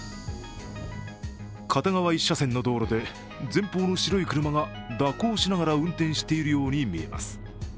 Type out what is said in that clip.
片側１車線の道路で、前方の白い車が蛇行しながら運転しているように見えます。